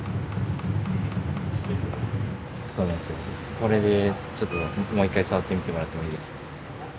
これでちょっともう一回触ってみてもらってもいいですか？